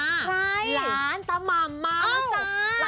ใครล้านตะหม่ามมาแล้วจ้า